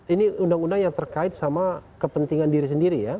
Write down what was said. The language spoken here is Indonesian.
ini undang undang yang terkait sama kepentingan diri sendiri ya